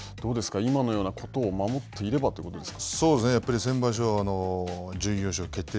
今のようなことを守っていればということですか。